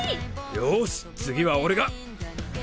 よし次は俺が！